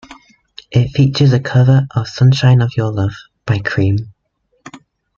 It features a cover of "Sunshine Of Your Love" by Cream.